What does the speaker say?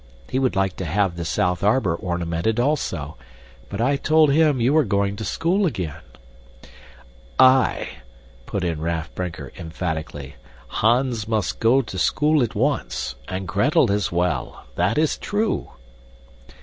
He would like to have the south arbor ornamented, also, but I told him you were going to school again." "Aye!" put in Raff Brinker, emphatically. "Hans must go to school at once and Gretel as well that is true."